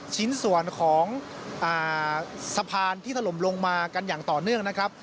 ชิ้นส่วนของสะพานที่ถล่มลงมากันอย่างต่อเนื่องนะครับ